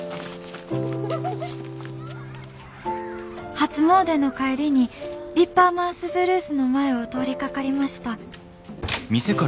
「初詣の帰りにディッパーマウス・ブルースの前を通りかかりました」。